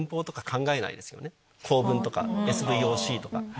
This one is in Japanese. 構文とかＳＶＯＣとか。